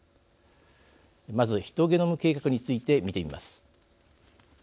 まずヒトゲノム計画について見てみます。